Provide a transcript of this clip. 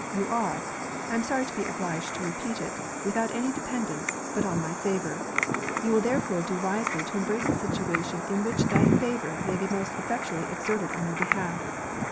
You are (I am sorry to be obliged to repeat it) without any dependance, but on my favour. You will therefore do wisely to embrace a situation in which that favour may be most effectually exerted on your behalf.